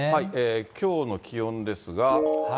きょうの気温ですが。